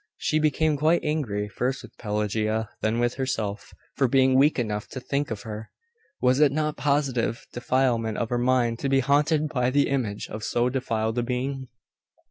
She became quite angry, first with Pelagia, then with herself, for being weak enough to think of her. Was it not positive defilement of her mind to be haunted by the image of so defiled a being?